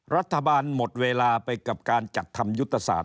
รัฐบาลหมดเวลาไปกับการจัดทำยุทธศาสต